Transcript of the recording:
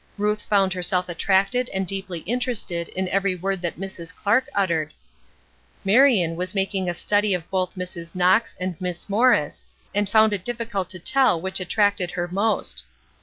Ruth found herself attracted and deeply interested in every word that Mrs. Clark uttered. Marion was making a study of both Mrs. Knox and Miss Morris, and found it difficult to tell which attracted her most.